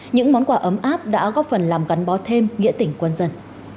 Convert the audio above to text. những món quà ấm áp đã góp phần làm gắn bó thêm nghĩa tỉnh quân dân